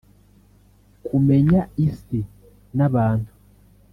kumenya isi n’abantu